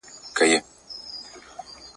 خصوصي پوهنتون له اجازې پرته نه کارول کیږي.